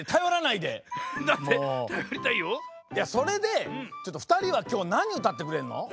いやそれでちょっとふたりはきょうなにうたってくれるの？